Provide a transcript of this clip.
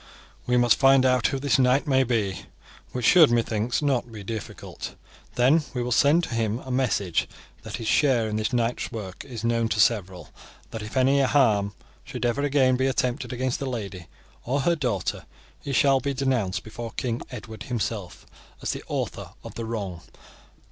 "We must find out who this knight may be, which should, methinks, not be difficult. Then we will send to him a message that his share in this night's work is known to several, and that if any harm should ever again be attempted against the lady or her daughter, he shall be denounced before King Edward himself as the author of the wrong.